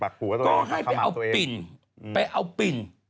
ก็ให้ไปเอาปิ่น